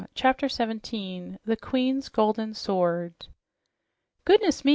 CHAPTER 17 THE QUEEN'S GOLDEN SWORD "Goodness me!"